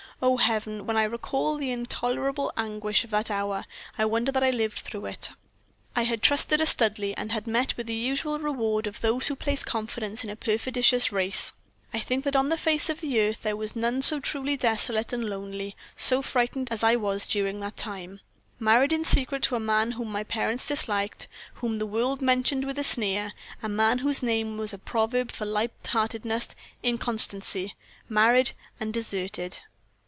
Oh, Heaven! when I recall the intolerable anguish of that hour, I wonder that I lived through it. "I had trusted a Studleigh, and had met with the usual reward of those who place confidence in a perfidious race. I think that on the face of the earth there was none so truly desolate and lonely, so frightened, as I was during that time. Married in secret to a man whom my parents disliked, whom the world mentioned with a sneer a man whose name was a proverb for light heartedness, inconstancy married and deserted!